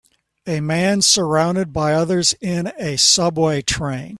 A man surrounded by others in a subway train